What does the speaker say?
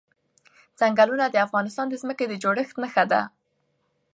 ځنګلونه د افغانستان د ځمکې د جوړښت نښه ده.